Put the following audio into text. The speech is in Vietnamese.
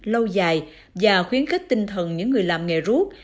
lâu dài và khuyến khích tinh thần những người làm nghề rút